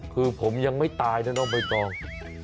คือผมยังไม่ตายนะเนอะบ๊วยตอง